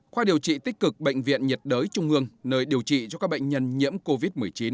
khoa điều trị tích cực bệnh viện nhiệt đới trung ương nơi điều trị cho các bệnh nhân nhiễm covid một mươi chín